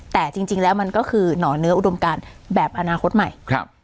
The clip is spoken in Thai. แต่จริงแล้วมันก็คือหนอนเนื้ออุดมการแบบอนาคตใหม่